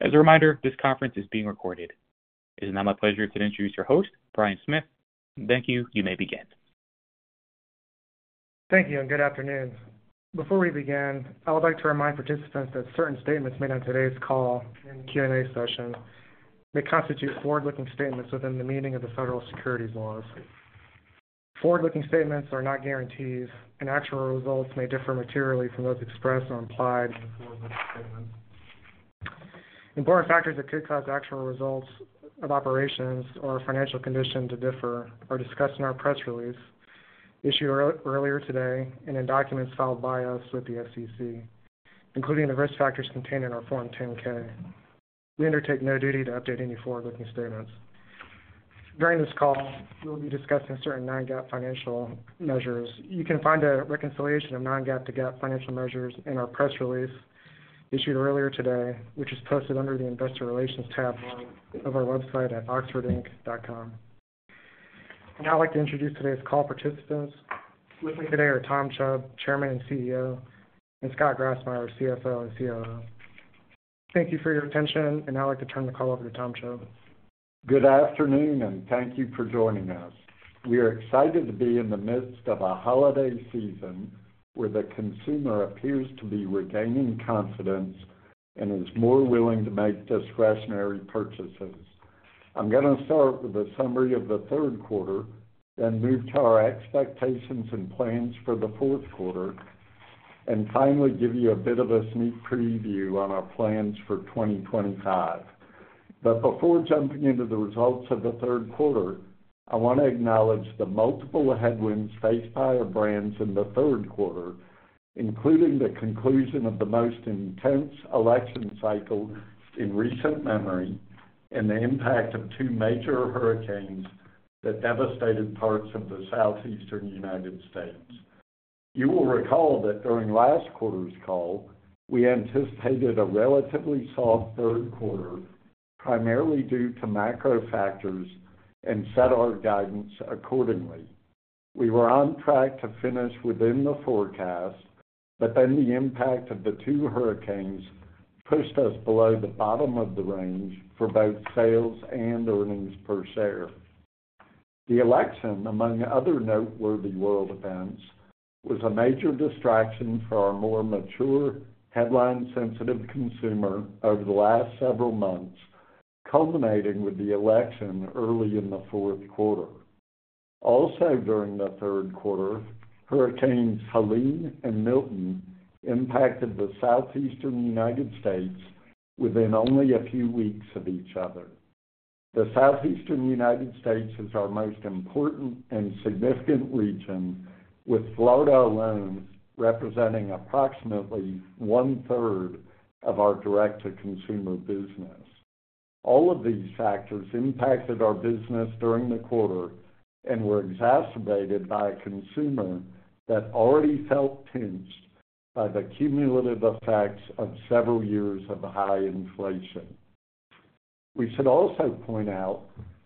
As a reminder, this conference is being recorded. It is now my pleasure to introduce your host, Brian Smith. Thank you. You may begin. Thank you, and good afternoon. Before we begin, I would like to remind participants that certain statements made on today's call and Q&A session may constitute forward-looking statements within the meaning of the federal securities laws. Forward-looking statements are not guarantees, and actual results may differ materially from those expressed or implied in the forward-looking statements. Important factors that could cause actual results of operations or financial condition to differ are discussed in our press release issued earlier today and in documents filed by us with the SEC, including the risk factors contained in our Form 10-K. We undertake no duty to update any forward-looking statements. During this call, we will be discussing certain non-GAAP financial measures. You can find a reconciliation of non-GAAP to GAAP financial measures in our press release issued earlier today, which is posted under the Investor Relations tab of our website at oxfordinc.com. Now, I'd like to introduce today's call participants. Today, our Tom Chubb, Chairman and CEO, and Scott Grassmyer, our CFO and COO. Thank you for your attention, and now I'd like to turn the call over to Tom Chubb. Good afternoon, and thank you for joining us. We are excited to be in the midst of a holiday season where the consumer appears to be regaining confidence and is more willing to make discretionary purchases. I'm going to start with a summary of the third quarter, then move to our expectations and plans for the fourth quarter, and finally give you a bit of a sneak preview on our plans for 2025. But before jumping into the results of the third quarter, I want to acknowledge the multiple headwinds faced by our brands in the third quarter, including the conclusion of the most intense election cycle in recent memory and the impact of two major hurricanes that devastated parts of the southeastern United States. You will recall that during last quarter's call, we anticipated a relatively soft third quarter, primarily due to macro factors, and set our guidance accordingly. We were on track to finish within the forecast, but then the impact of the two hurricanes pushed us below the bottom of the range for both sales and earnings per share. The election, among other noteworthy world events, was a major distraction for our more mature, headline-sensitive consumer over the last several months, culminating with the election early in the fourth quarter. Also, during the third quarter, hurricanes Helene and Milton impacted the southeastern United States within only a few weeks of each other. The southeastern United States is our most important and significant region, with Florida alone representing approximately one-third of our direct-to-consumer business. All of these factors impacted our business during the quarter and were exacerbated by a consumer that already felt pinched by the cumulative effects of several years of high inflation. We should also point out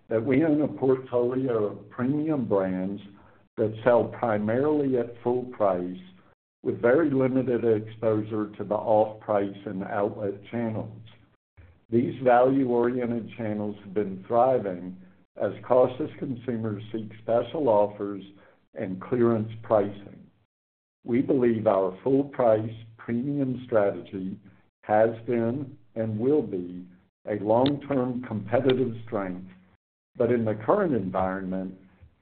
that we own a portfolio of premium brands that sell primarily at full price, with very limited exposure to the off-price and outlet channels. These value-oriented channels have been thriving as cautious consumers seek special offers and clearance pricing. We believe our full-price premium strategy has been and will be a long-term competitive strength, but in the current environment,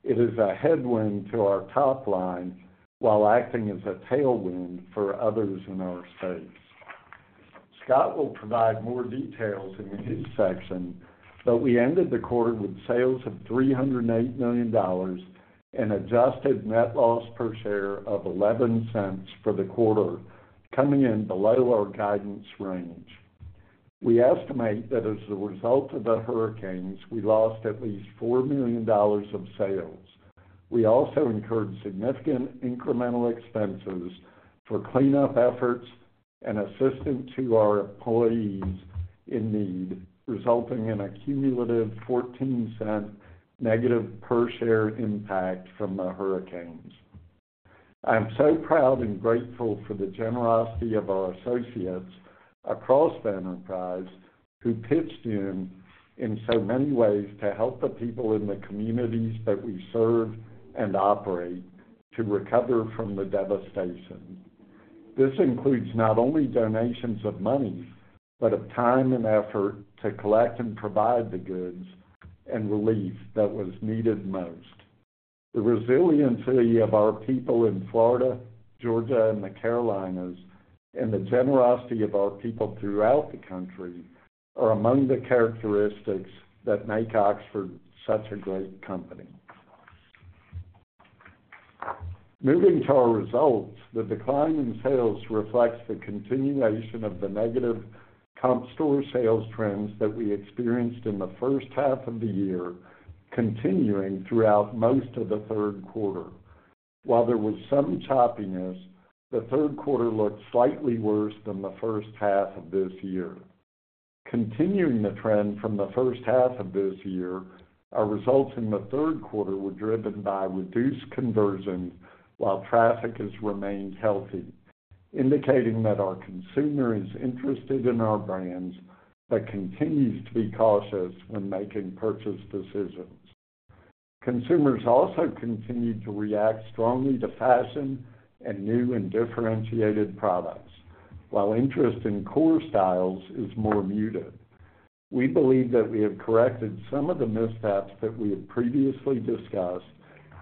it is a headwind to our top line while acting as a tailwind for others in our space. Scott will provide more details in his section, but we ended the quarter with sales of $308 million and adjusted net loss per share of $0.11 for the quarter, coming in below our guidance range. We estimate that as a result of the hurricanes, we lost at least $4 million of sales. We also incurred significant incremental expenses for cleanup efforts and assistance to our employees in need, resulting in a cumulative $0.14 negative per-share impact from the hurricanes. I'm so proud and grateful for the generosity of our associates across the enterprise who pitched in in so many ways to help the people in the communities that we serve and operate to recover from the devastation. This includes not only donations of money but of time and effort to collect and provide the goods and relief that was needed most. The resiliency of our people in Florida, Georgia, and the Carolinas, and the generosity of our people throughout the country are among the characteristics that make Oxford such a great company. Moving to our results, the decline in sales reflects the continuation of the negative comp store sales trends that we experienced in the first half of the year, continuing throughout most of the third quarter. While there was some choppiness, the third quarter looked slightly worse than the first half of this year. Continuing the trend from the first half of this year, our results in the third quarter were driven by reduced conversions while traffic has remained healthy, indicating that our consumer is interested in our brands but continues to be cautious when making purchase decisions. Consumers also continue to react strongly to fashion and new and differentiated products, while interest in core styles is more muted. We believe that we have corrected some of the missteps that we have previously discussed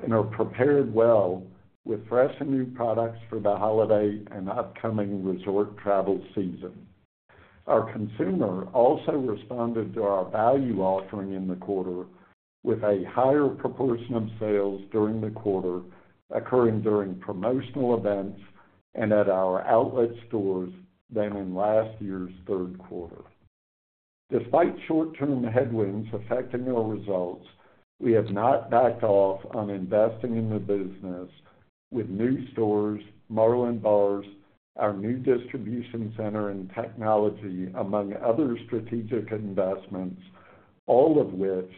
and are prepared well with fresh and new products for the holiday and upcoming resort travel season. Our consumer also responded to our value offering in the quarter with a higher proportion of sales during the quarter occurring during promotional events and at our outlet stores than in last year's third quarter. Despite short-term headwinds affecting our results, we have not backed off on investing in the business with new stores, Marlin Bars, our new distribution center, and technology, among other strategic investments, all of which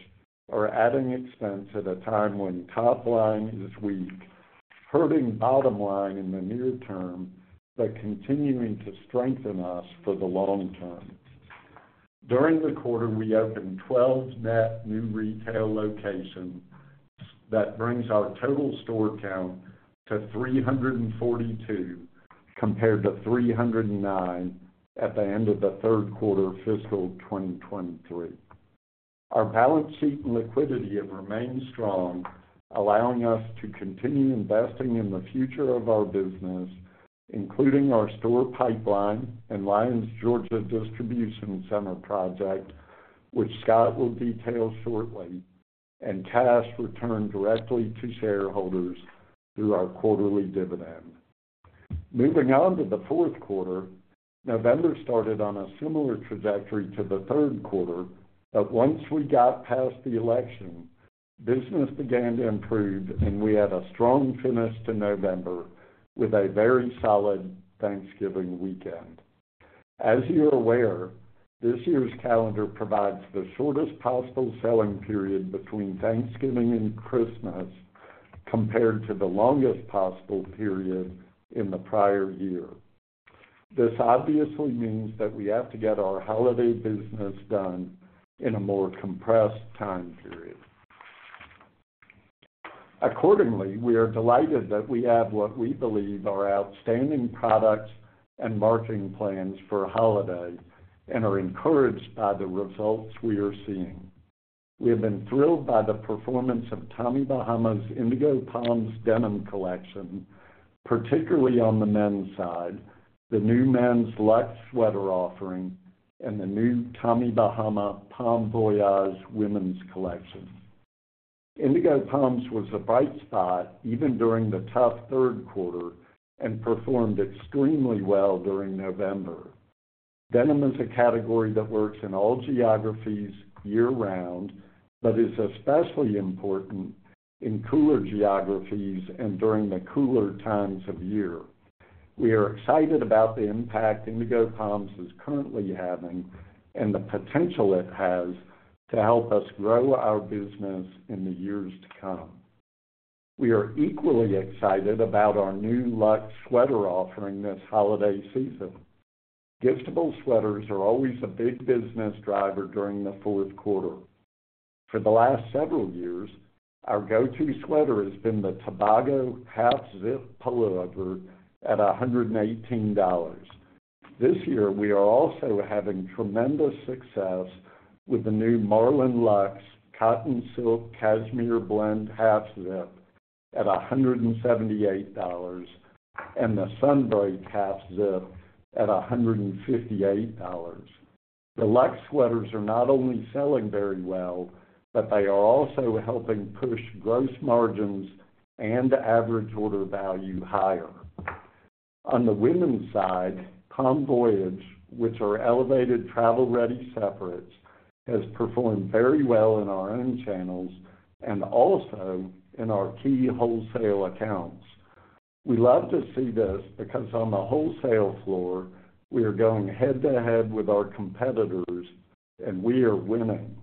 are adding expense at a time when top line is weak, hurting bottom line in the near term, but continuing to strengthen us for the long term. During the quarter, we opened 12 net new retail locations that brings our total store count to 342 compared to 309 at the end of the third quarter of fiscal 2023. Our balance sheet and liquidity have remained strong, allowing us to continue investing in the future of our business, including our store pipeline and Lyons, Georgia distribution center project, which Scott will detail shortly, and cash returned directly to shareholders through our quarterly dividend. Moving on to the fourth quarter, November started on a similar trajectory to the third quarter, but once we got past the election, business began to improve, and we had a strong finish to November with a very solid Thanksgiving weekend. As you're aware, this year's calendar provides the shortest possible selling period between Thanksgiving and Christmas compared to the longest possible period in the prior year. This obviously means that we have to get our holiday business done in a more compressed time period. Accordingly, we are delighted that we have what we believe are outstanding products and marketing plans for holiday and are encouraged by the results we are seeing. We have been thrilled by the performance of Tommy Bahama's Indigo Palms denim collection, particularly on the men's side, the new men's luxe sweater offering, and the new Tommy Bahama Palm Voyage women's collection. Indigo Palms was a bright spot even during the tough third quarter and performed extremely well during November. Denim is a category that works in all geographies year-round but is especially important in cooler geographies and during the cooler times of year. We are excited about the impact Indigo Palms is currently having and the potential it has to help us grow our business in the years to come. We are equally excited about our new luxe sweater offering this holiday season. Giftable sweaters are always a big business driver during the fourth quarter. For the last several years, our go-to sweater has been the Tobago Half-Zip Pullover at $118. This year, we are also having tremendous success with the new Marlin Luxe Cotton Silk Cashmere Blend Half-Zip at $178 and the Sunbreak Half-Zip at $158. The luxe sweaters are not only selling very well, but they are also helping push gross margins and average order value higher. On the women's side, Palm Voyage, which are elevated travel-ready separates, has performed very well in our own channels and also in our key wholesale accounts. We love to see this because on the wholesale floor, we are going head-to-head with our competitors, and we are winning.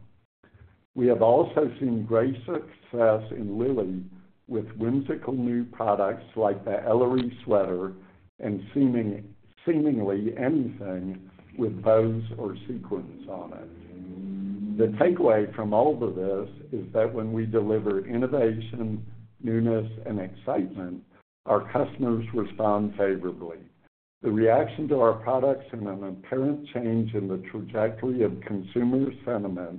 We have also seen great success in Lilly with whimsical new products like the Ellery Sweater and seemingly anything with bows or sequins on it. The takeaway from all of this is that when we deliver innovation, newness, and excitement, our customers respond favorably. The reaction to our products and an apparent change in the trajectory of consumer sentiment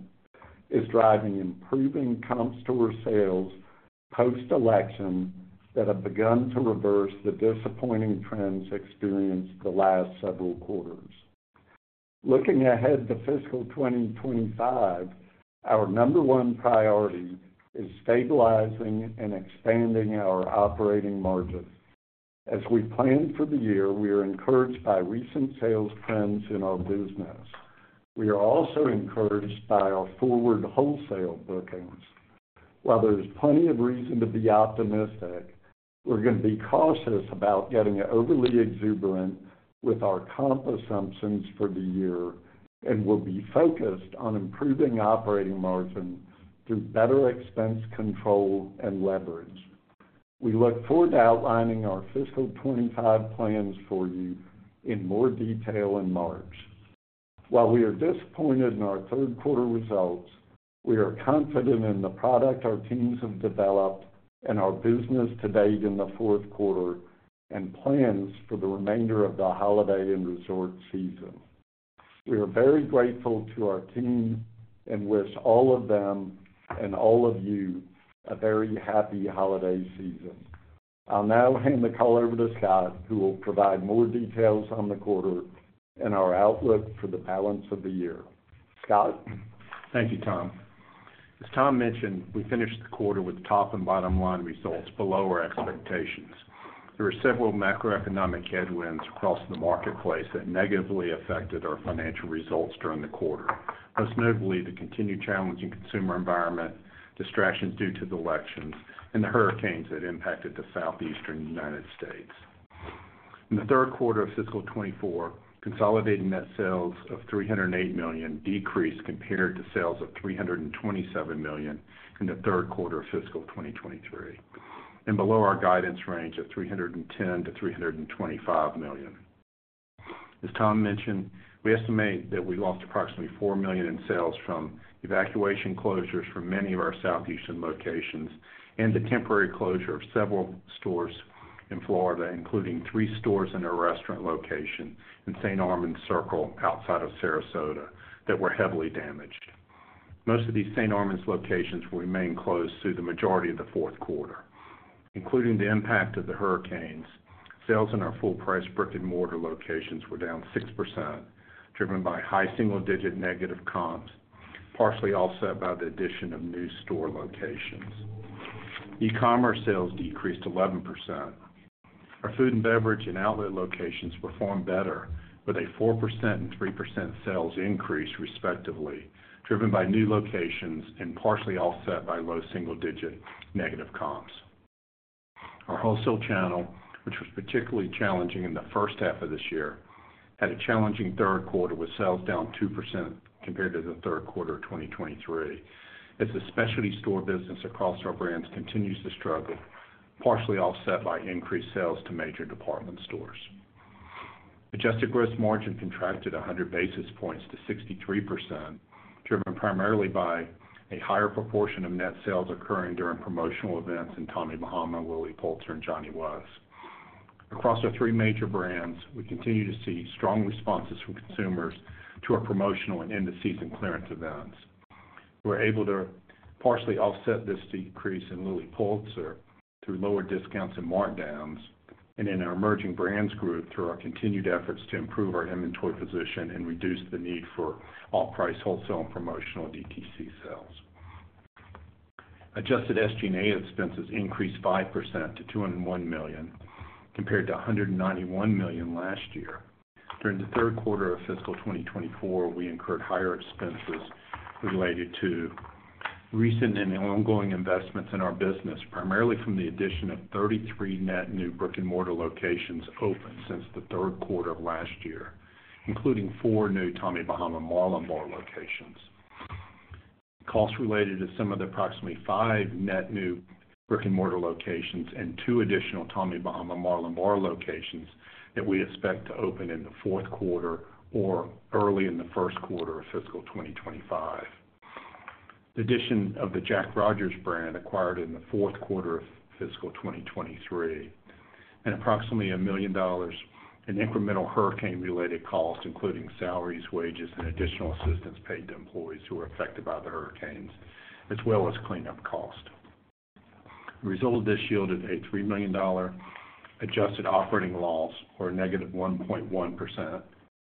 is driving improving comp store sales post-election that have begun to reverse the disappointing trends experienced the last several quarters. Looking ahead to fiscal 2025, our number one priority is stabilizing and expanding our operating margins. As we plan for the year, we are encouraged by recent sales trends in our business. We are also encouraged by our forward wholesale bookings. While there's plenty of reason to be optimistic, we're going to be cautious about getting overly exuberant with our comp assumptions for the year and will be focused on improving operating margins through better expense control and leverage. We look forward to outlining our fiscal 2025 plans for you in more detail in March. While we are disappointed in our third quarter results, we are confident in the product our teams have developed and our business to date in the fourth quarter and plans for the remainder of the holiday and resort season. We are very grateful to our team and wish all of them and all of you a very happy holiday season. I'll now hand the call over to Scott, who will provide more details on the quarter and our outlook for the balance of the year. Scott. Thank you, Tom. As Tom mentioned, we finished the quarter with top and bottom line results below our expectations. There were several macroeconomic headwinds across the marketplace that negatively affected our financial results during the quarter, most notably the continued challenge in the consumer environment, distractions due to the elections, and the hurricanes that impacted the southeastern United States. In the third quarter of fiscal 2024, consolidated net sales of $308 million decreased compared to sales of $327 million in the third quarter of fiscal 2023 and below our guidance range of $310-$325 million. As Tom mentioned, we estimate that we lost approximately $4 million in sales from evacuation closures for many of our southeastern locations and the temporary closure of several stores in Florida, including three stores and a restaurant location in St. Armands Circle outside of Sarasota that were heavily damaged. Most of these St. Armands locations will remain closed through the majority of the fourth quarter. Including the impact of the hurricanes, sales in our full-price brick-and-mortar locations were down 6%, driven by high single-digit negative comps, partially offset by the addition of new store locations. E-commerce sales decreased 11%. Our food and beverage and outlet locations performed better with a 4% and 3% sales increase respectively, driven by new locations and partially offset by low single-digit negative comps. Our wholesale channel, which was particularly challenging in the first half of this year, had a challenging third quarter with sales down 2% compared to the third quarter of 2023. As the specialty store business across our brands continues to struggle, partially offset by increased sales to major department stores. Adjusted gross margin contracted 100 basis points to 63%, driven primarily by a higher proportion of net sales occurring during promotional events in Tommy Bahama, Lilly Pulitzer, and Johnny Was. Across our three major brands, we continue to see strong responses from consumers to our promotional and end-of-season clearance events. We were able to partially offset this decrease in Lilly Pulitzer through lower discounts and markdowns and in our emerging brands group through our continued efforts to improve our inventory position and reduce the need for off-price wholesale and promotional DTC sales. Adjusted SG&A expenses increased 5% to $201 million compared to $191 million last year. During the third quarter of fiscal 2024, we incurred higher expenses related to recent and ongoing investments in our business, primarily from the addition of 33 net new brick-and-mortar locations opened since the third quarter of last year, including four new Tommy Bahama Marlin Bar locations, costs related to some of the approximately five net new brick-and-mortar locations and two additional Tommy Bahama Marlin Bar locations that we expect to open in the fourth quarter or early in the first quarter of fiscal 2025, the addition of the Jack Rogers brand acquired in the fourth quarter of fiscal 2023, and approximately $1 million in incremental hurricane-related costs, including salaries, wages, and additional assistance paid to employees who were affected by the hurricanes, as well as cleanup costs. The result of this yielded a $3 million adjusted operating loss or a -1.1%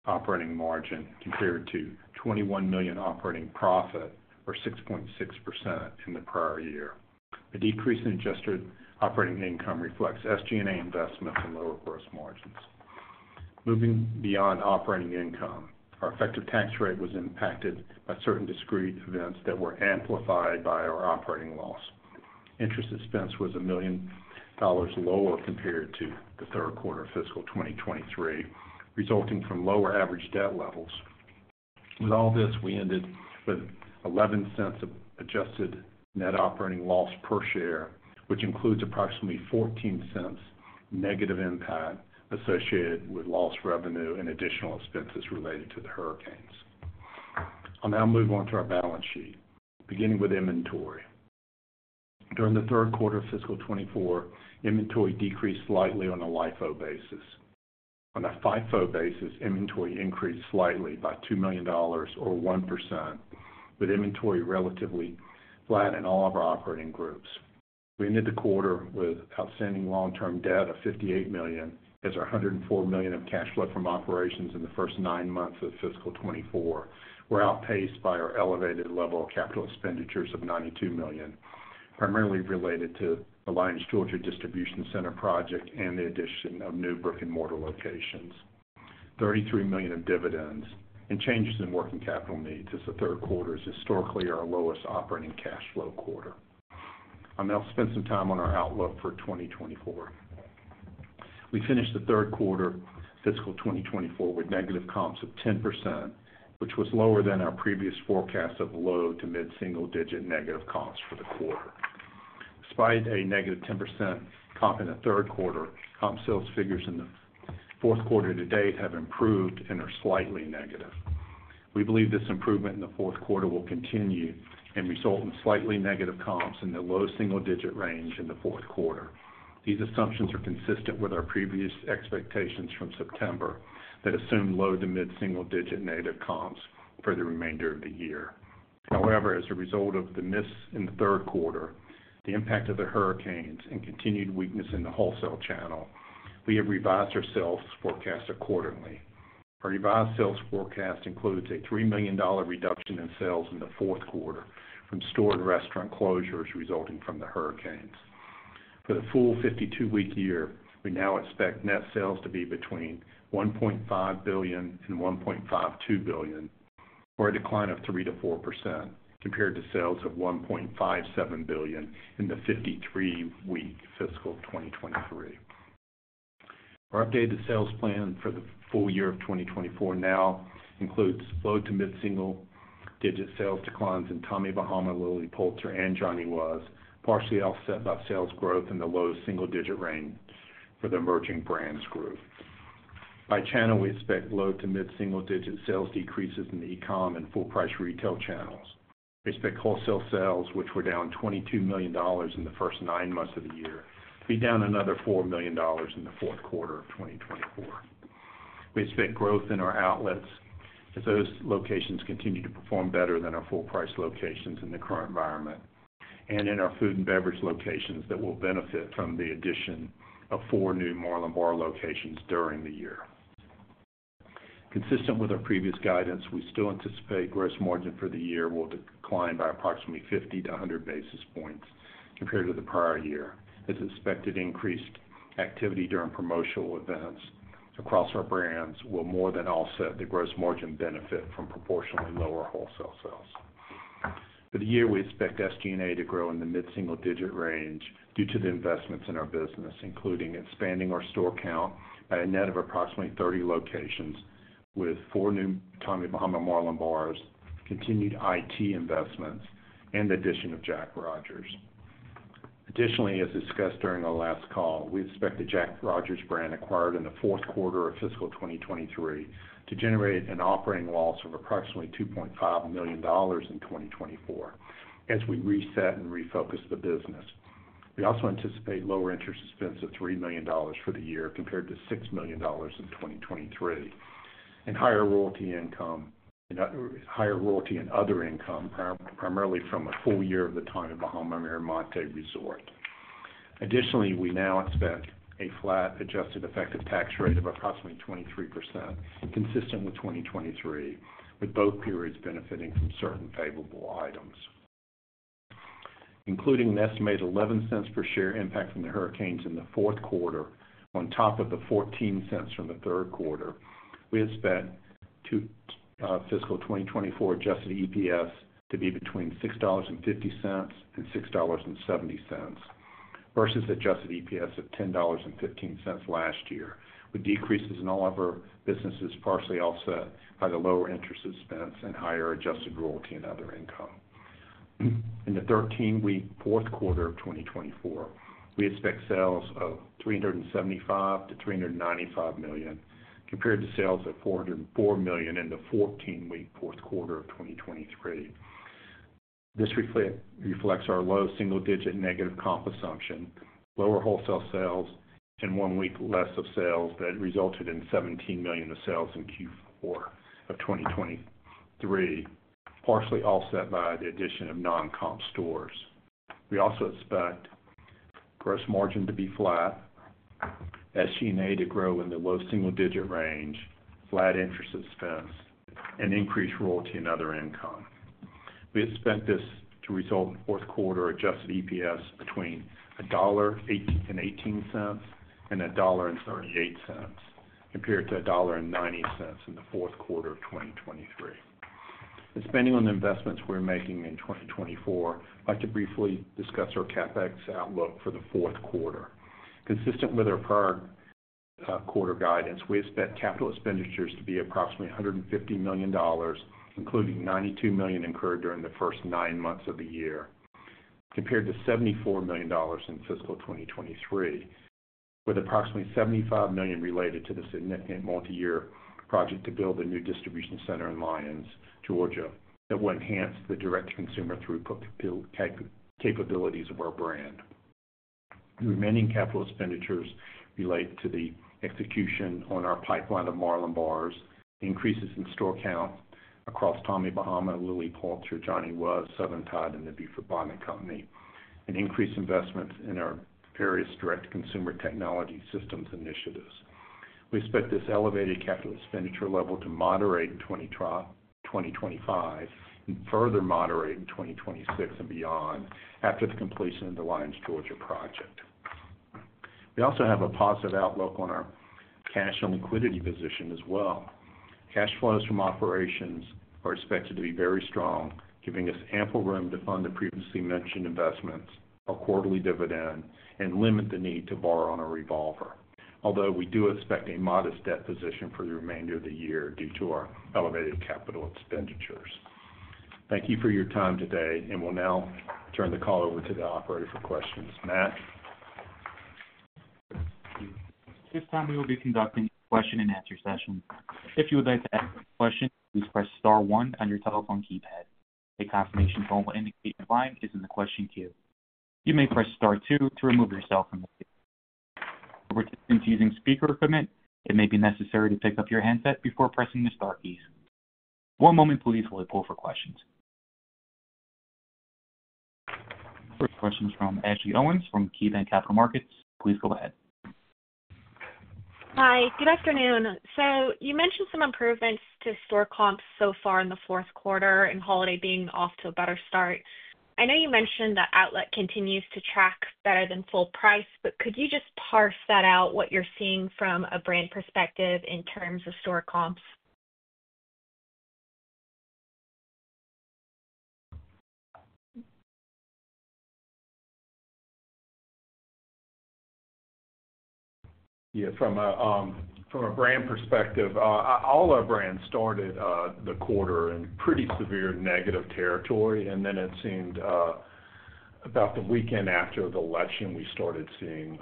operating margin compared to $21 million operating profit or 6.6% in the prior year. A decrease in adjusted operating income reflects SG&A investments and lower gross margins. Moving beyond operating income, our effective tax rate was impacted by certain discrete events that were amplified by our operating loss. Interest expense was $1 million lower compared to the third quarter of fiscal 2023, resulting from lower average debt levels. With all this, we ended with $0.11 of adjusted net operating loss per share, which includes approximately $0.14 negative impact associated with lost revenue and additional expenses related to the hurricanes. I'll now move on to our balance sheet, beginning with inventory. During the third quarter of fiscal 2024, inventory decreased slightly on a LIFO basis. On a FIFO basis, inventory increased slightly by $2 million or 1%, with inventory relatively flat in all of our operating groups. We ended the quarter with outstanding long-term debt of $58 million, as our $104 million of cash flow from operations in the first nine months of fiscal 2024 were outpaced by our elevated level of capital expenditures of $92 million, primarily related to the Lyons, Georgia distribution center project and the addition of new brick-and-mortar locations, $33 million in dividends, and changes in working capital needs as the third quarter is historically our lowest operating cash flow quarter. I'll now spend some time on our outlook for 2024. We finished the third quarter of fiscal 2024 with negative comps of 10%, which was lower than our previous forecast of low to mid-single-digit negative comps for the quarter. Despite a negative 10% comp in the third quarter, comp sales figures in the fourth quarter to date have improved and are slightly negative. We believe this improvement in the fourth quarter will continue and result in slightly negative comps in the low single-digit range in the fourth quarter. These assumptions are consistent with our previous expectations from September that assumed low to mid-single-digit negative comps for the remainder of the year. However, as a result of the miss in the third quarter, the impact of the hurricanes, and continued weakness in the wholesale channel, we have revised our sales forecast accordingly. Our revised sales forecast includes a $3 million reduction in sales in the fourth quarter from store and restaurant closures resulting from the hurricanes. For the full 52-week year, we now expect net sales to be between $1.5 billion and $1.52 billion, or a decline of 3%-4% compared to sales of $1.57 billion in the 53-week fiscal 2023. Our updated sales plan for the full year of 2024 now includes low to mid-single-digit sales declines in Tommy Bahama, Lilly Pulitzer, and Johnny Was, partially offset by sales growth in the low single-digit range for the emerging brands group. By channel, we expect low to mid-single-digit sales decreases in the e-com and full-price retail channels. We expect wholesale sales, which were down $22 million in the first nine months of the year, to be down another $4 million in the fourth quarter of 2024. We expect growth in our outlets as those locations continue to perform better than our full-price locations in the current environment and in our food and beverage locations that will benefit from the addition of four new Marlin Bar locations during the year. Consistent with our previous guidance, we still anticipate gross margin for the year will decline by approximately 50-100 basis points compared to the prior year, as expected increased activity during promotional events across our brands will more than offset the gross margin benefit from proportionally lower wholesale sales. For the year, we expect SG&A to grow in the mid-single-digit range due to the investments in our business, including expanding our store count by a net of approximately 30 locations with four new Tommy Bahama Marlin Bars, continued IT investments, and the addition of Jack Rogers. Additionally, as discussed during our last call, we expect the Jack Rogers brand acquired in the fourth quarter of fiscal 2023 to generate an operating loss of approximately $2.5 million in 2024 as we reset and refocus the business. We also anticipate lower interest expense of $3 million for the year compared to $6 million in 2023 and higher royalty income and higher royalty and other income, primarily from a full year of the Tommy Bahama Miramonte Resort. Additionally, we now expect a flat adjusted effective tax rate of approximately 23%, consistent with 2023, with both periods benefiting from certain favorable items. Including an estimated $0.11 per share impact from the hurricanes in the fourth quarter on top of the $0.14 from the third quarter, we expect fiscal 2024 adjusted EPS to be between $6.50 and $6.70 versus adjusted EPS of $10.15 last year, with decreases in all of our businesses partially offset by the lower interest expense and higher adjusted royalty and other income. In the 13-week fourth quarter of 2024, we expect sales of $375-$395 million compared to sales of $404 million in the 14-week fourth quarter of 2023. This reflects our low single-digit negative comp assumption, lower wholesale sales, and one week less of sales that resulted in $17 million of sales in Q4 of 2023, partially offset by the addition of non-comp stores. We also expect gross margin to be flat, SG&A to grow in the low single-digit range, flat interest expense, and increased royalty and other income. We expect this to result in fourth quarter adjusted EPS between $1.18 and $1.38 compared to $1.90 in the fourth quarter of 2023. In spending on the investments we're making in 2024, I'd like to briefly discuss our CapEx outlook for the fourth quarter. Consistent with our prior quarter guidance, we expect capital expenditures to be approximately $150 million, including $92 million incurred during the first nine months of the year, compared to $74 million in fiscal 2023, with approximately $75 million related to the significant multi-year project to build a new distribution center in Lyons, Georgia, that will enhance the direct-to-consumer throughput capabilities of our brand. The remaining capital expenditures relate to the execution on our pipeline of Marlin Bar, increases in store count across Tommy Bahama, Lilly Pulitzer, Johnny Was, Southern Tide, and the Beaufort Bonnet Company, and increased investments in our various direct-to-consumer technology systems initiatives. We expect this elevated capital expenditure level to moderate in 2025 and further moderate in 2026 and beyond after the completion of the Lyons, Georgia project. We also have a positive outlook on our cash and liquidity position as well. Cash flows from operations are expected to be very strong, giving us ample room to fund the previously mentioned investments, our quarterly dividend, and limit the need to borrow on a revolver, although we do expect a modest debt position for the remainder of the year due to our elevated capital expenditures. Thank you for your time today, and we'll now turn the call over to the operator for questions. Matt. This time, we will be conducting a question-and-answer session. If you would like to ask a question, please press Star 1 on your telephone keypad. A confirmation tone will indicate the line is in the question queue. You may press Star 2 to remove yourself from the queue. For participants using speaker equipment, it may be necessary to pick up your handset before pressing the Star keys. One moment, please, while we poll for questions. First question is from Ashley Owens from KeyBanc Capital Markets. Please go ahead. Hi. Good afternoon. So you mentioned some improvements to store comps so far in the fourth quarter and holiday being off to a better start. I know you mentioned that Outlet continues to track better than full price, but could you just parse that out, what you're seeing from a brand perspective in terms of store comps? Yeah. From a brand perspective, all our brands started the quarter in pretty severe negative territory, and then it seemed about the weekend after the election, we started seeing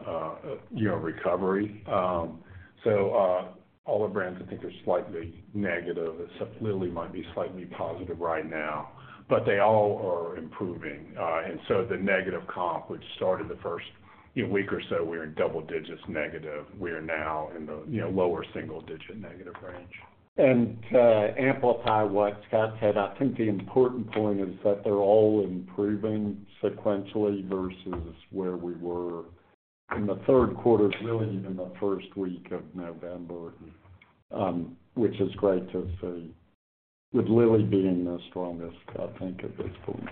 recovery. So all our brands, I think, are slightly negative. Lilly might be slightly positive right now, but they all are improving. And so the negative comp, which started the first week or so, we were in double digits negative. We are now in the lower single-digit negative range. To amplify what Scott said, I think the important point is that they're all improving sequentially versus where we were in the third quarter, really in the first week of November, which is great to see, with Lilly being the strongest, I think, at this point.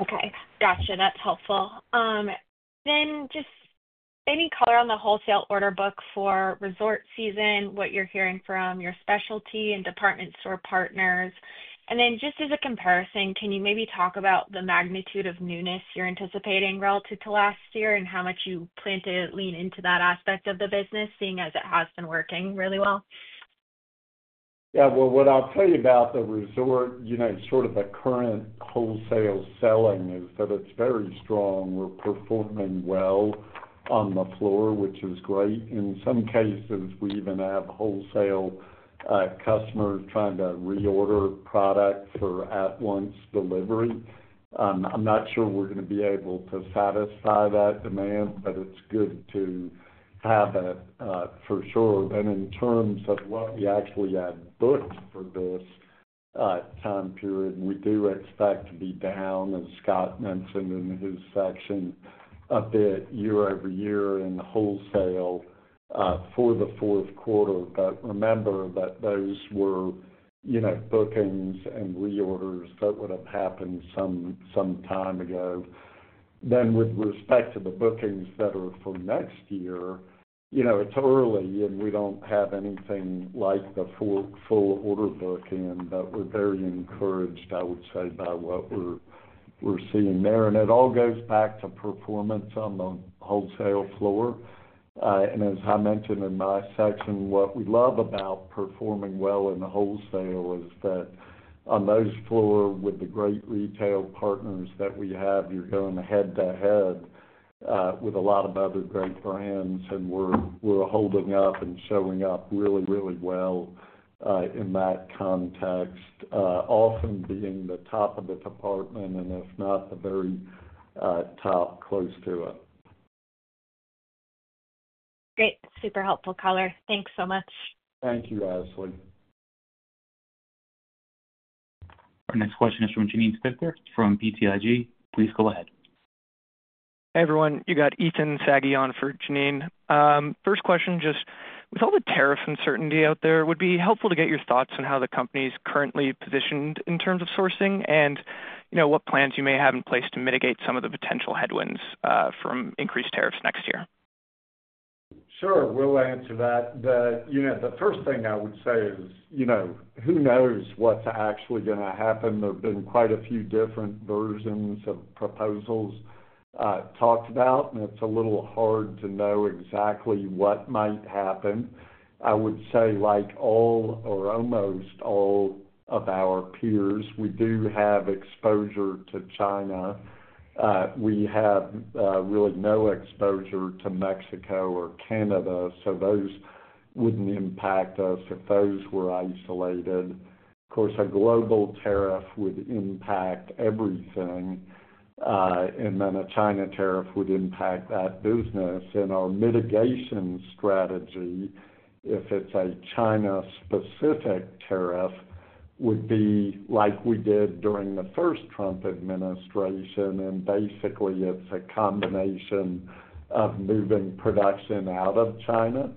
Okay. Gotcha. That's helpful. Then just any color on the wholesale order book for resort season, what you're hearing from your specialty and department store partners. And then just as a comparison, can you maybe talk about the magnitude of newness you're anticipating relative to last year and how much you plan to lean into that aspect of the business, seeing as it has been working really well? Yeah. What I'll tell you about the resort, sort of the current wholesale selling, is that it's very strong. We're performing well on the floor, which is great. In some cases, we even have wholesale customers trying to reorder product for at-once delivery. I'm not sure we're going to be able to satisfy that demand, but it's good to have that for sure. Then in terms of what we actually had booked for this time period, we do expect to be down, as Scott mentioned in his section, a bit year over year in wholesale for the fourth quarter. But remember that those were bookings and reorders that would have happened some time ago. Then with respect to the bookings that are for next year, it's early, and we don't have anything like the full order book in, but we're very encouraged, I would say, by what we're seeing there. And it all goes back to performance on the wholesale floor. And as I mentioned in my section, what we love about performing well in wholesale is that on those floors with the great retail partners that we have, you're going head-to-head with a lot of other great brands, and we're holding up and showing up really, really well in that context, often being the top of the department and, if not, the very top close to it. Great. Super helpful, Scott. Thanks so much. Thank you, Ashley. Our next question is from Janine Stichter from BTIG. Please go ahead. Hey, everyone. You got Ethan Saghi on for Janine. First question, just with all the tariff uncertainty out there, it would be helpful to get your thoughts on how the company is currently positioned in terms of sourcing and what plans you may have in place to mitigate some of the potential headwinds from increased tariffs next year. Sure. We'll answer that. The first thing I would say is who knows what's actually going to happen? There have been quite a few different versions of proposals talked about, and it's a little hard to know exactly what might happen. I would say like all or almost all of our peers, we do have exposure to China. We have really no exposure to Mexico or Canada, so those wouldn't impact us if those were isolated. Of course, a global tariff would impact everything, and then a China tariff would impact that business. And our mitigation strategy, if it's a China-specific tariff, would be like we did during the first Trump administration. And basically, it's a combination of moving production out of China.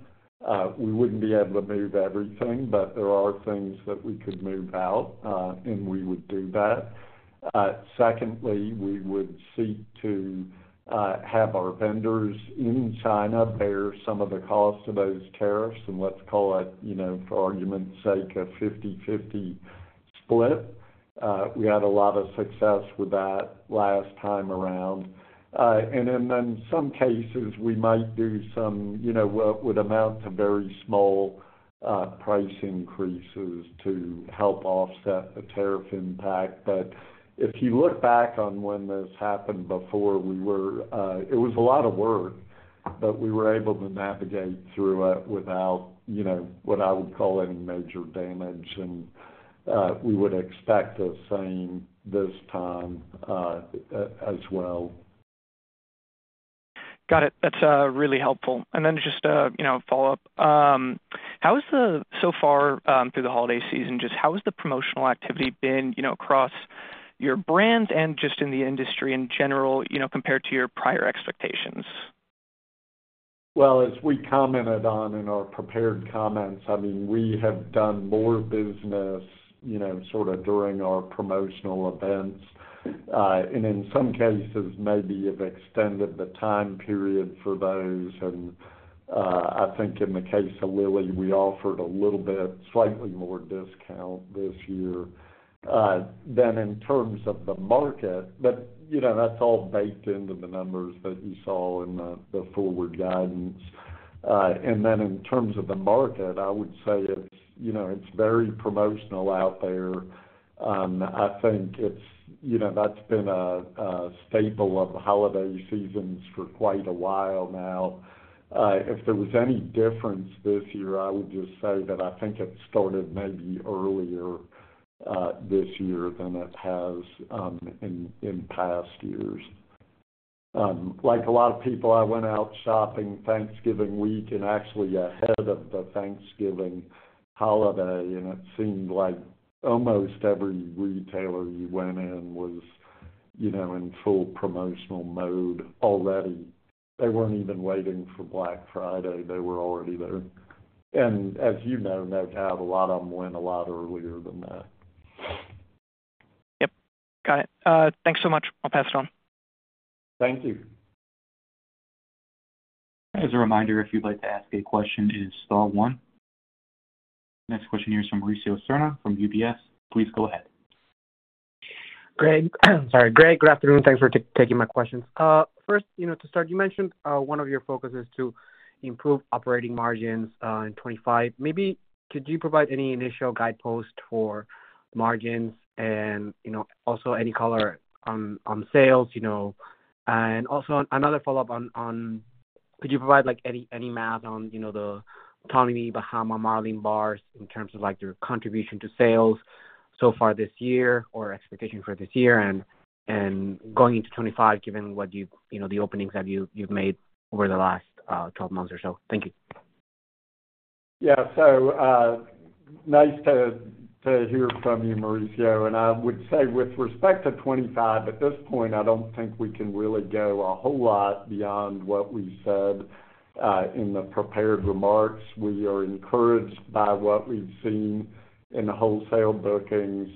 We wouldn't be able to move everything, but there are things that we could move out, and we would do that. Secondly, we would seek to have our vendors in China bear some of the cost of those tariffs and let's call it, for argument's sake, a 50/50 split. We had a lot of success with that last time around. And then in some cases, we might do some what would amount to very small price increases to help offset the tariff impact. But if you look back on when this happened before, it was a lot of work, but we were able to navigate through it without what I would call any major damage. And we would expect the same this time as well. Got it. That's really helpful. And then just a follow-up. How has it so far through the holiday season, just how has the promotional activity been across your brand and just in the industry in general compared to your prior expectations? As we commented on in our prepared comments, I mean, we have done more business sort of during our promotional events. And in some cases, maybe have extended the time period for those. And I think in the case of Lilly, we offered a little bit, slightly more discount this year than in terms of the market. But that's all baked into the numbers that you saw in the forward guidance. And then in terms of the market, I would say it's very promotional out there. I think that's been a staple of holiday seasons for quite a while now. If there was any difference this year, I would just say that I think it started maybe earlier this year than it has in past years. Like a lot of people, I went out shopping Thanksgiving week and actually ahead of the Thanksgiving holiday, and it seemed like almost every retailer you went in was in full promotional mode already. They weren't even waiting for Black Friday. They were already there. And as you know, no doubt a lot of them went a lot earlier than that. Yep. Got it. Thanks so much. I'll pass it on. Thank you. As a reminder, if you'd like to ask a question, it is Star 1. Next question here is from Mauricio Serna from UBS. Please go ahead. Great. Sorry. Great, good afternoon. Thanks for taking my questions. First, to start, you mentioned one of your focuses to improve operating margins in 2025. Maybe could you provide any initial guidepost for margins and also any color on sales? And also another follow-up on, could you provide any math on the Tommy Bahama Marlin Bars in terms of their contribution to sales so far this year or expectation for this year and going into 2025, given the openings that you've made over the last 12 months or so? Thank you. Yeah. So nice to hear from you, Mauricio. And I would say with respect to 2025, at this point, I don't think we can really go a whole lot beyond what we said in the prepared remarks. We are encouraged by what we've seen in the wholesale bookings.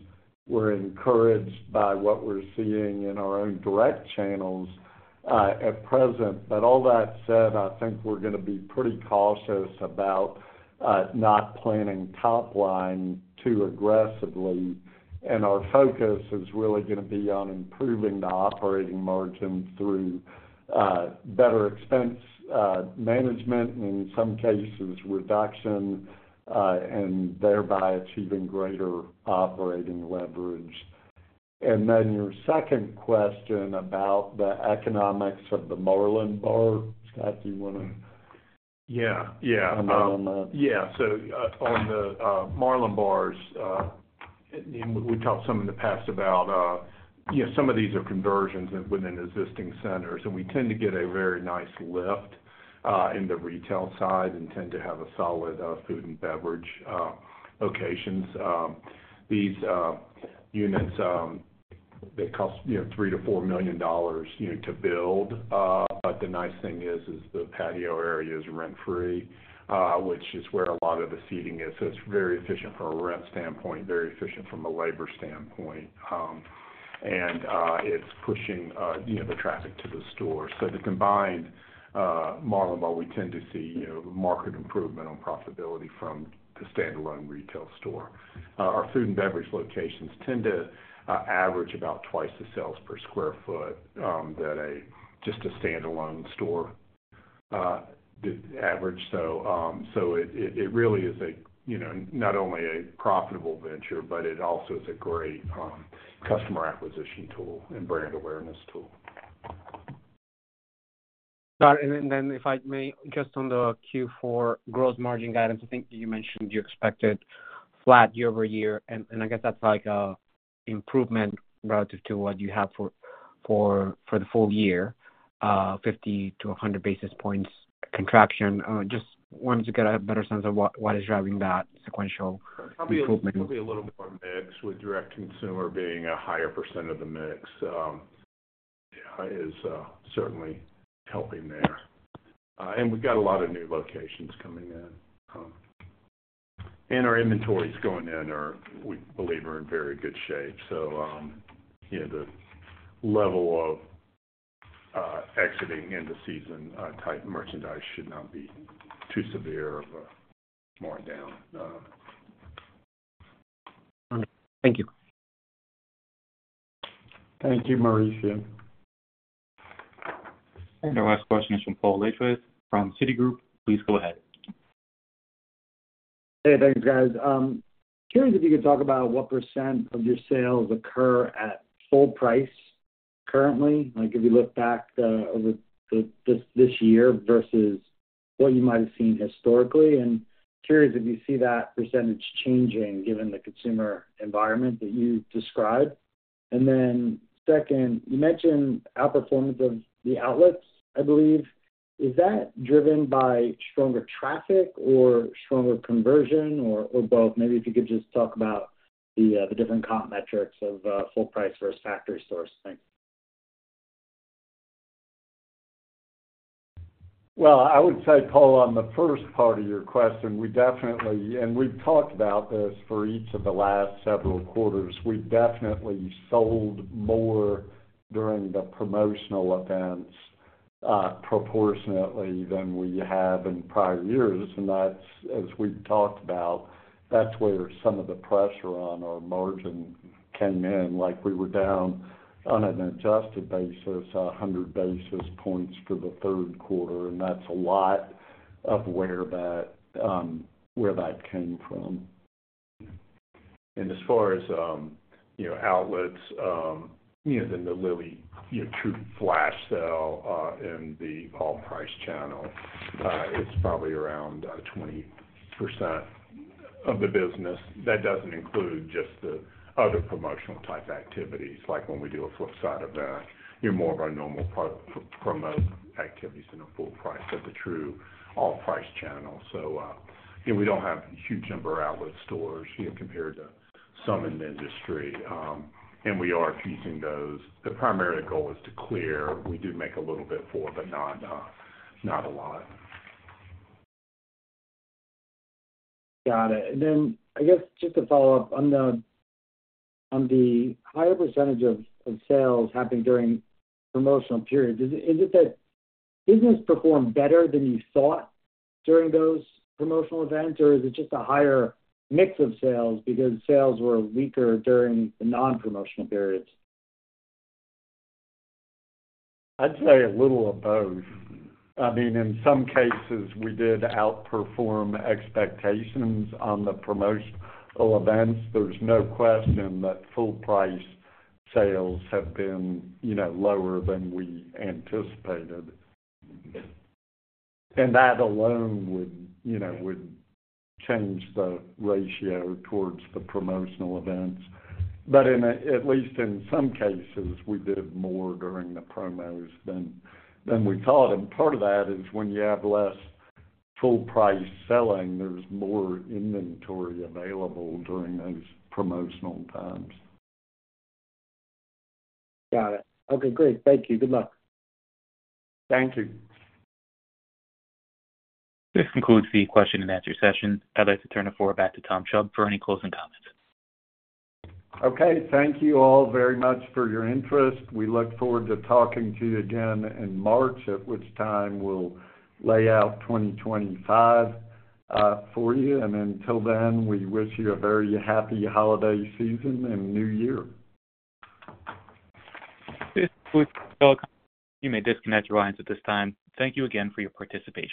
We're encouraged by what we're seeing in our own direct channels at present. But all that said, I think we're going to be pretty cautious about not planning top line too aggressively. Our focus is really going to be on improving the operating margin through better expense management and, in some cases, reduction and thereby achieving greater operating leverage. And then your second question about the economics of the Marlin Bar, Scott, do you want to? Yeah. Yeah. Yeah. So on the Marlin Bars, we talked some in the past about some of these are conversions within existing centers. And we tend to get a very nice lift in the retail side and tend to have a solid food and beverage locations. These units, they cost $3 million-$4 million to build. But the nice thing is the patio area is rent-free, which is where a lot of the seating is. So it's very efficient from a rent standpoint, very efficient from a labor standpoint. And it's pushing the traffic to the store. So the combined Marlin Bar, we tend to see market improvement on profitability from the standalone retail store. Our food and beverage locations tend to average about twice the sales per sq ft than just a standalone store average. So it really is not only a profitable venture, but it also is a great customer acquisition tool and brand awareness tool. Got it. And then if I may, just on the Q4 gross margin guidance, I think you mentioned you expected flat year over year. And I guess that's like an improvement relative to what you have for the full year, 50-100 basis points contraction. Just wanted to get a better sense of what is driving that sequential improvement. Probably a little more mix with direct consumer being a higher percentage of the mix is certainly helping there. And we've got a lot of new locations coming in. Our inventories going in, we believe, are in very good shape. So the level of exiting into season-type merchandise should not be too severe of a markdown. Thank you. Thank you, Mauricio. And our last question is from Paul Lejuez from Citigroup. Please go ahead. Hey, thanks, guys. Curious if you could talk about what percentage of your sales occur at full price currently, like if you look back over this year versus what you might have seen historically. And curious if you see that percentage changing given the consumer environment that you described. And then second, you mentioned outperformance of the outlets, I believe. Is that driven by stronger traffic or stronger conversion or both? Maybe if you could just talk about the different comp metrics of full price versus factory store. Thanks. Well, I would say, Paul, on the first part of your question, we definitely, and we've talked about this for each of the last several quarters, we definitely sold more during the promotional events proportionately than we have in prior years, and as we've talked about, that's where some of the pressure on our margin came in. We were down on an adjusted basis, 100 basis points for the third quarter, and that's a lot of where that came from, and as far as outlets, then the Lilly true flash sale in the All-Price Channel is probably around 20% of the business. That doesn't include just the other promotional-type activities. Like when we do a Flip Side event, you're more of a normal promo activities than a full price of the true All-Price Channel. So we don't have a huge number of outlet stores compared to some in the industry. And we are using those. The primary goal is to clear. We do make a little bit, but not a lot. Got it. And then I guess just to follow up on the higher percentage of sales happening during the promotional period, is it that business performed better than you thought during those promotional events, or is it just a higher mix of sales because sales were weaker during the non-promotional periods? I'd say a little of both. I mean, in some cases, we did outperform expectations on the promotional events. There's no question that full-price sales have been lower than we anticipated. And that alone would change the ratio towards the promotional events. But at least in some cases, we did more during the promos than we thought. And part of that is when you have less full-price selling, there's more inventory available during those promotional times. Got it. Okay. Great. Thank you. Good luck. Thank you. This concludes the question-and-answer session. I'd like to turn it forward back to Tom Chubb for any closing comments. Okay. Thank you all very much for your interest. We look forward to talking to you again in March, at which time we'll lay out 2025 for you. And until then, we wish you a very happy holiday season and New Year. This was Phil. You may disconnect your lines at this time. Thank you again for your participation.